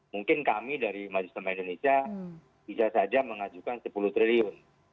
mungkin kami dari majelis selama indonesia bisa saja mengajukan sepuluh triliun